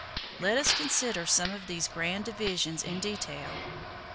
Let us consider some of these grand divisions in detail.